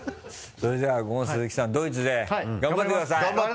それではゴン鈴木さんドイツで頑張ってください！頑張って！